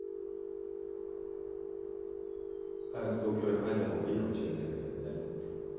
早く東京へ帰った方がいいかもしれないんだけれどね。